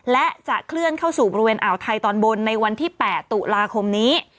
และจะเคลื่อนเข้าสู่บริเวณอ่าวไทยตอนบนในวันที่๘ตุลาคมนี้